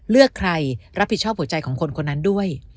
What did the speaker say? เลือกใครรับผิดชอบหัวใจของคนคนนั้นด้วย